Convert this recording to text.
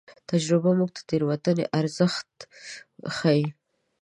تجربه موږ ته د تېروتنې ارزښت ښيي.